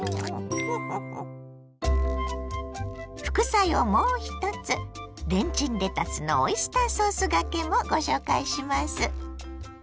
副菜をもう１つレンチンレタスのオイスターソースがけもご紹介します。